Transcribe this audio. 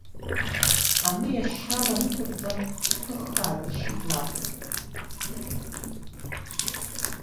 Ани ашьра лаиқәырҵан дԥыхаа дыршьит наҟ.